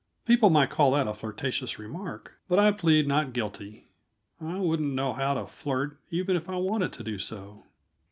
People might call that a flirtatious remark, but I plead not guilty; I wouldn't know how to flirt, even if I wanted to do so."